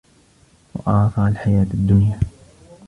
وَآثَرَ الحَياةَ الدُّنيا